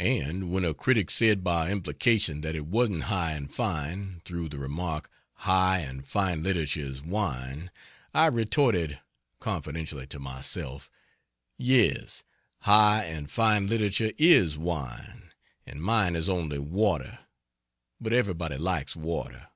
And when a critic said by implication that it wasn't high and fine, through the remark "High and fine literature is wine" I retorted (confidentially, to myself,) "yes, high and fine literature is wine, and mine is only water; but everybody likes water."